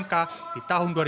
ketika berada di jalan surabaya